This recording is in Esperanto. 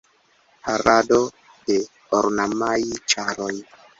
Parado de ornamaj ĉaroj.